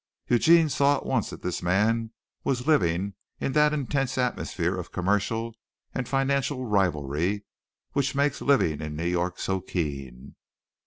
Eugene saw at once that this man was living in that intense atmosphere of commercial and financial rivalry which makes living in New York so keen.